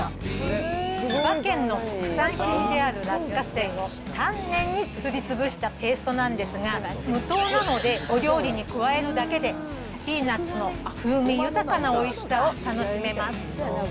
千葉県の特産品である落花生を丹念にすりつぶしたペーストなんですが、無糖なのでお料理に加えるだけで、ピーナッツの風味豊かなおいしさを楽しめます。